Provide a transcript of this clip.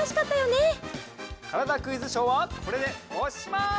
「からだ☆クイズショー」はこれでおしまい！